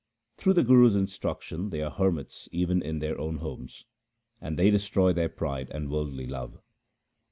Through the Guru's instruction they are hermits even in their own homes, and they destroy their pride and worldly love.